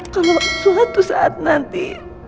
kalau suatu saat nanti